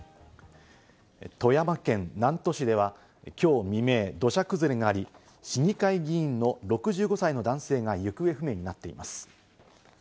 富山県南砺市ではきょう未明、土砂崩れがあり、市議会議員の６５歳の男性が行方不明になっています。